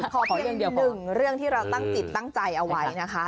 ขออีกหนึ่งเรื่องที่เราตั้งจิตตั้งใจเอาไว้นะคะ